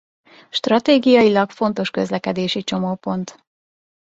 Stratégiailag fontos közlekedési csomópont.